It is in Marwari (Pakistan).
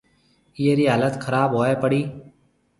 اِيئي رِي حالت خراب هوئي پڙِي۔